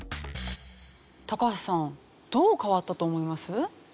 高橋さんどう変わったと思います？